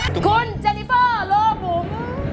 คุณเจนิเฟอร์โลบุ๋ม